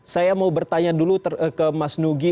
saya mau bertanya dulu ke mas nugi